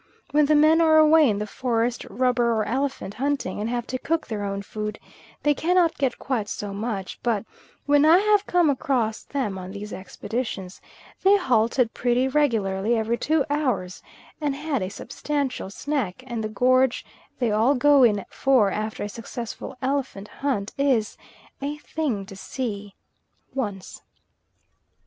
When the men are away in the forest rubber or elephant hunting, and have to cook their own food, they cannot get quite so much; but when I have come across them on these expeditions, they halted pretty regularly every two hours and had a substantial snack, and the gorge they all go in for after a successful elephant hunt is a thing to see once.